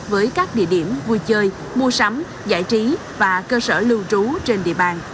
với các địa điểm vui chơi mua sắm giải trí và cơ sở lưu trú trên địa bàn